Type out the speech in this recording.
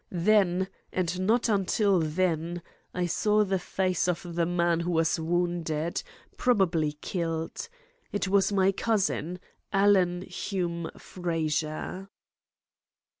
Then, and not until then, I saw the face of the man who was wounded, probably killed. It was my cousin, Alan Hume Fraser."